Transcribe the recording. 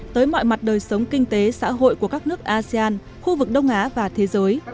tới mọi mặt đời sống kinh tế xã hội của các nước asean khu vực đông á và thế giới